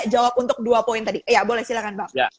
jawab untuk dua poin tadi ya boleh silahkan bang